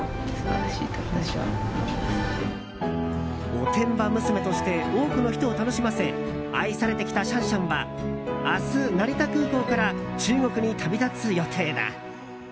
おてんば娘として多くの人を楽しませ愛されてきたシャンシャンは明日、成田空港から中国に旅立つ予定だ。